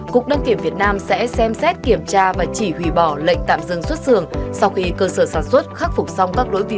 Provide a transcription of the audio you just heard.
cục đăng kiểm việt nam sẽ xem xét kiểm tra và chỉ hủy bỏ lệnh tạm dừng xuất dường